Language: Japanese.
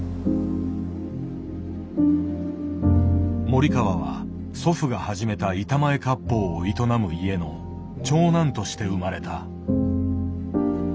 森川は祖父が始めた板前割烹を営む家の長男として生まれた。